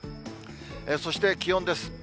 そして、気温です。